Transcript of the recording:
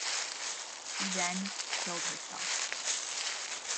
She then killed herself.